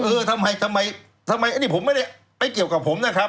เออทำไมทำไมอันนี้ผมไม่ได้ไปเกี่ยวกับผมนะครับ